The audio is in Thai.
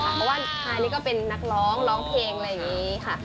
เพราะว่าฮายนี่ก็เป็นนักร้องร้องเพลงอะไรอย่างนี้ค่ะ